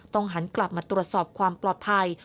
หันกลับมาตรวจสอบความปลอดภัย